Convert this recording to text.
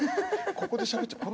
ここでしゃべっちゃう。